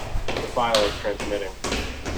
The file is transmitting.